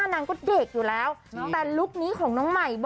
แต่กลัวนี้